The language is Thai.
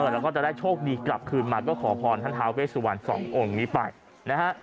แล้วก็จะได้โชคดีกลับคืนมาก็ขอพรท่านท้าเวสุวรรณสององค์นี้ไปนะฮะ